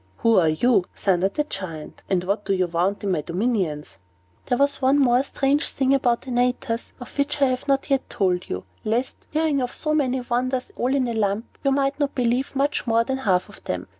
"Who are you?" thundered the Giant. "And what do you want in my dominions?" There was one strange thing about Antaeus, of which I have not yet told you, lest, hearing of so many wonders all in a lump, you might not believe much more than half of them.